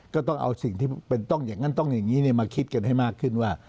ก็ต้องเอาสิ่งที่เป็นต้องอย่างนั้นต้องอย่างนี้มาคิดกันให้มากขึ้นว่า